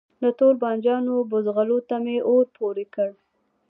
د توربانجانو بوزغلو ته می اور پوری کړ